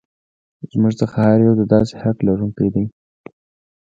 زموږ څخه هر یو د داسې حق لرونکی دی.